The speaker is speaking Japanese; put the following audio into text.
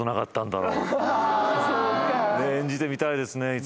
演じてみたいですね